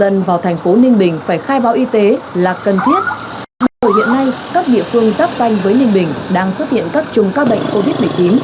nhưng từ hiện nay các địa phương giáp danh với ninh bình đang xuất hiện các chung ca bệnh covid một mươi chín